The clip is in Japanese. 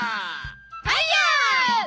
ファイヤー！